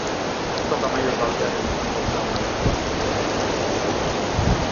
Ez Dok Amairu taldearen hurrengo belaunaldikoa zen Urko.